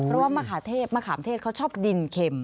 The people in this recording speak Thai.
เพราะว่ามะขาเทพมะขามเทศเขาชอบดินเข็ม